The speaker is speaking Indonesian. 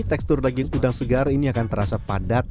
tekstur daging udang segar ini akan terasa padat